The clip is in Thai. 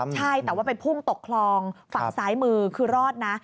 ใช่แต่ว่าไปพุ่งตกคลองฝั่งซ้ายมือคือรอดนะ